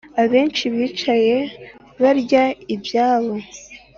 Abenshi bicaye barya ibyabo.